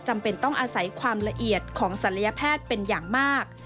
จำเป็นต้องอาศัยความละเอียดของศัลยแพทย์เป็นอย่างมาก